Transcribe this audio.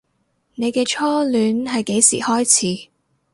你嘅初戀係幾時開始